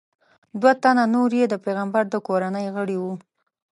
دوه تنه نور یې د پیغمبر د کورنۍ غړي وو.